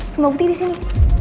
semua butik disini